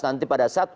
nanti pada saat